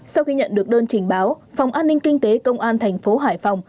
sau khi nhận được đơn trình báo phòng an ninh kinh tế công an thành phố hải phòng